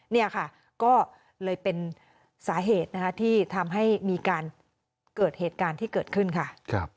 เนี่ยค่ะก็เลยเป็นสาเหตุนะคะที่ทำให้มีการเกิดเหตุการณ์ที่เกิดขึ้นค่ะ